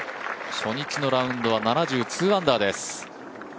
初日のラウンドは７０２アンダーです。